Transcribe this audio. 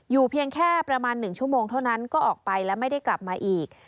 เพียงแค่ประมาณ๑ชั่วโมงเท่านั้นก็ออกไปและไม่ได้กลับมาอีก